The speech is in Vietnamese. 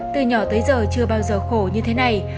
từ nhỏ tới giờ chưa bao giờ khổ như thế này